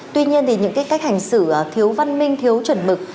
tuy nhiên thì những cái cách hành xử thiếu văn minh thiếu chuẩn mực